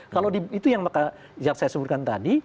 kalau itu yang saya sebutkan tadi